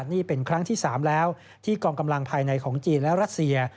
นี่เป็นครั้งที่๓แล้วที่กองกำลังภายในของจีนและรัสเซีย